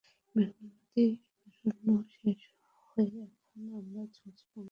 মেঘনা নদী পেরোনো শেষ হয়ে এখন আমরা চলছি বঙ্গোপসাগরের বুকের ওপর।